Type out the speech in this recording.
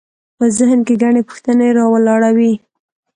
په ذهن کې ګڼې پوښتنې راولاړوي.